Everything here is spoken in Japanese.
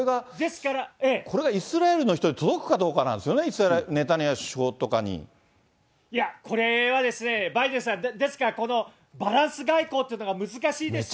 これがイスラエルの人に届くかどうかなんですよね、いや、これはバイデンさん、ですからこのバランス外交っていうのが難しいですよ。